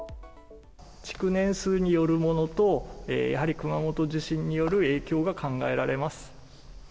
築年数によるものと、やはり熊本地震による影響が考えられます。